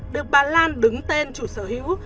được bà lan đứng tên chủ sở hữu